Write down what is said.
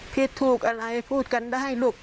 ผิดถูกอะไรพูดกันได้ลูก